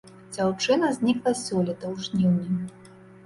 Дзяўчына знікла сёлета ў жніўні.